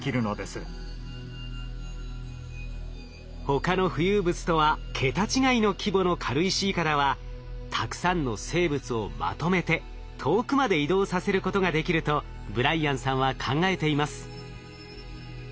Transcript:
他の浮遊物とは桁違いの規模の軽石いかだはたくさんの生物をまとめて遠くまで移動させることができるとブライアンさんは考えています。